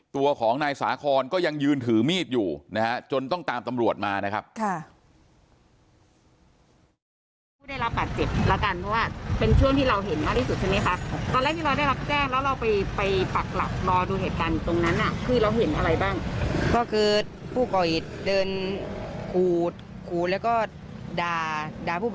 ตัวของนายสาคอนก็ยังยืนถือมีดอยู่นะฮะจนต้องตามตำรวจมานะครับ